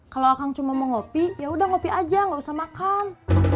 kalau akang cuma mau ngopi yaudah ngopi aja gak usah makan